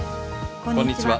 こんにちは。